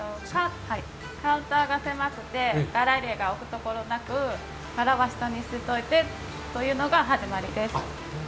カウンターが狭くてがら入れを置くところがなくて殻は下に捨てておいてというのが始まりです。